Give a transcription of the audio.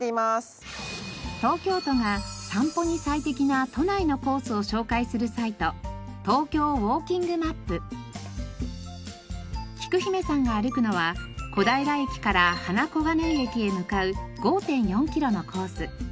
東京都が散歩に最適な都内のコースを紹介するサイトきく姫さんが歩くのは小平駅から花小金井駅へ向かう５．４キロのコース。